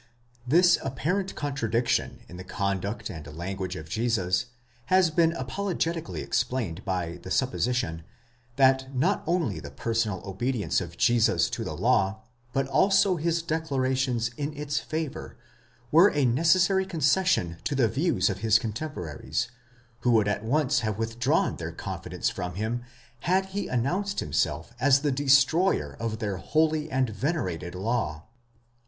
This apparent contradiction in the conduct and language of Jesus has been apologetically explained by the supposition, that not only the personal obedi ence of Jesus to the law, but also his declarations in its favour, were a necessary concession to the views of his cotemporaries, who would at once have withdrawn their confidence from him, had he announced himself as the destroyer of their holy and venerated law.